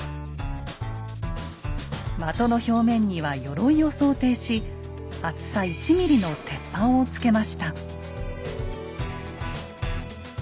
的の表面には鎧を想定し厚さ１ｍｍの鉄板をつけました。